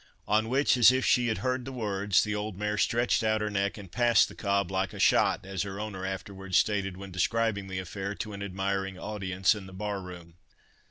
On which, as if she had heard the words, the old mare stretched out her neck and passed the cob "like a shot!" as her owner afterwards stated when describing the affair to an admiring audience in the bar room.